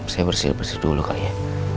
saya bersih bersih dulu kak ya